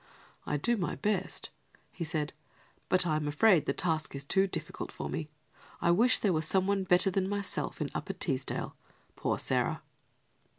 "I do my best," he said, "but I am afraid the task is too difficult for me. I wish there were some one better than myself in Upper Teesdale: poor Sarah!"